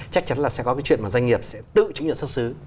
chắc chắn là sẽ có cái chuyện mà doanh nghiệp sẽ tự chứng nhận xuất xứ